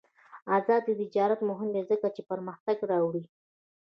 آزاد تجارت مهم دی ځکه چې پرمختګ راوړي.